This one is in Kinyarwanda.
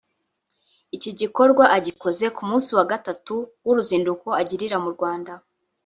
Iki gikorwa agikoze ku munsi wa gatatu w’uruzinduko agirira mu Rwanda